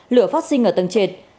lửa phát sinh ở tầng trệt